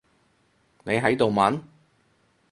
你喺度問？